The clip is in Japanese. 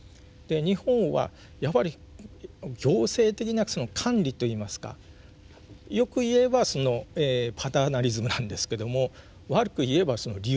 日本はやっぱり行政的なその管理といいますか良く言えばパターナリズムなんですけども悪く言えば利用する。